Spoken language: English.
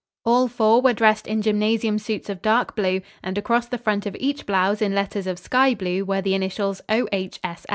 All four were dressed in gymnasium suits of dark blue and across the front of each blouse in letters of sky blue were the initials "O.H.